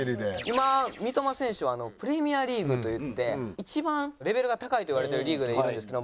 今三笘選手はプレミアリーグといって一番レベルが高いといわれているリーグにいるんですけど。